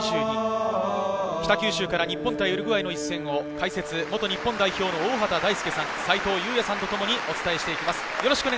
北九州から日本対ウルグアイの一戦を解説は元日本代表の大畑大介さん、齊藤祐也さんとともにお伝えしていきます。